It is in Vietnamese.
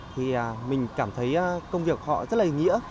thì mình cảm thấy công việc họ rất là ý nghĩa